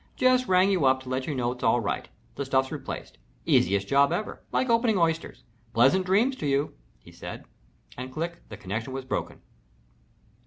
"Just rang you up to let you know that it's all right. The stuff's replaced. Easiest job ever like opening oysters. Pleasant dreams to you," he said, and, click, the connection was broken.